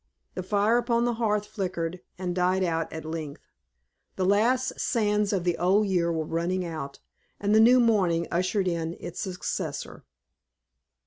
The fire upon the hearth flickered, and died out at length. The last sands of the old year were running out, and the new morning ushered in its successor.